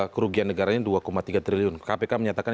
kerugian negaranya dua tiga triliun kpk menyatakan